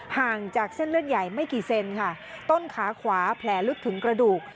ห่างจากเส้นเลือดใหญ่ไม่กี่เซนค่ะต้นขาขวาแผลลึกถึงกระดูก